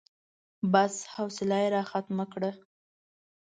بس، حوصله يې راختمه کړه.